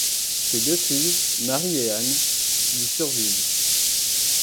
Ses deux filles, Marie et Anne, lui survivent.